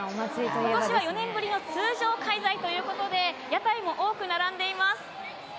今年は４年ぶりの通常開催ということで屋台も多く並んでいます。